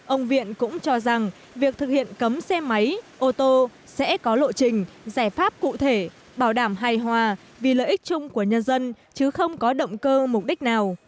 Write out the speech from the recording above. ông viện cũng cho rằng việc thực hiện cấm xe máy ô tô sẽ có lộ trình giải pháp cụ thể bảo đảm hài hòa vì lợi ích chung của nhân dân chứ không có động cơ mục đích nào